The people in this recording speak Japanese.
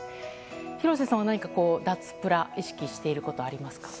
廣瀬さんは何か脱プラ意識していることありますか？